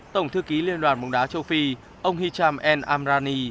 tổng thư ký liên đoàn bóng đá châu phi ông hicham n amrani